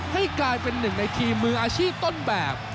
ให้กลายเป็นหนึ่งในทีมมืออาชีพต้นแบบ